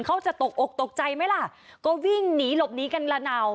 เขาจะตกอกตกใจไหมล่ะก็วิ่งหนีหลบหนีกันละนาว